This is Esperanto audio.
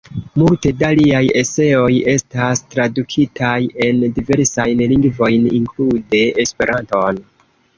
Multe da liaj eseoj estas tradukitaj en diversajn lingvojn, inklude Esperanton.